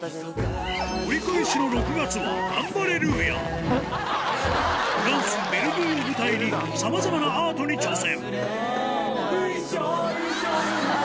折り返しの６月は、ガンバレルーヤ。を舞台にさまざまなアートに挑戦。